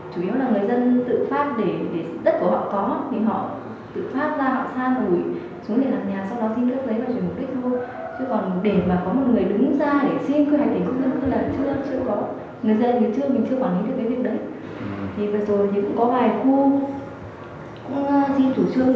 chủ yếu là người dân tự phát để đất của họ có thì họ tự phát ra họ sa ngủi xuống đây